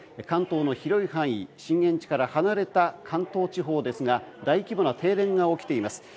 関東の広い範囲、震源地から離れた関東地方ですが大規模な停電が起きています。